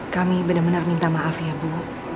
kami benar benar minta maaf ya bu